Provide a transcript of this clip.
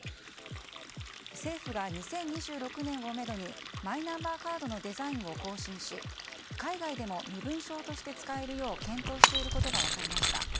政府が２０２６年をめどにマイナンバーカードのデザインを更新し海外でも身分証として使えるよう検討していることが分かりました。